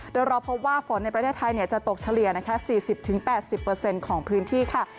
โดยเราพบว่าฝนในประเทศไทยจะตกเฉลี่ยนะคะ๔๐๘๐ของพื้นที่ค่ะ